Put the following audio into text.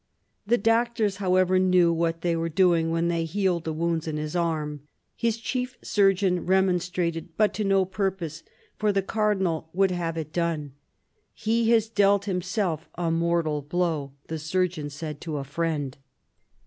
The doctors, however, knew what they were doing when they healed the wounds in his arm ; his chief surgeon remon strated, but to no purpose, for the Cardinal would have it done. " He has dealt himself a mortal blow," the surgeon said to a friend.